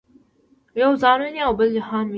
یو ځان ویني او بل جهان ویني.